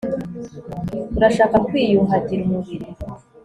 urashaka kwiyuhagira umubiri